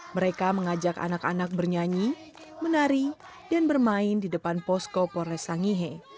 mereka mengajak anak anak bernyanyi menari dan bermain di depan posko polres sangihe